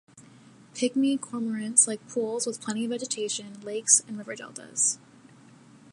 Pygmy cormorants like pools with plenty of vegetation, lakes and river deltas.